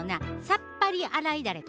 さっぱり洗いダレ？